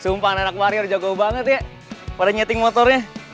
sumpah nenek warrior jago banget ya pada nyeting motornya